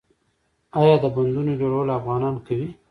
آیا د بندونو جوړول افغانان کوي؟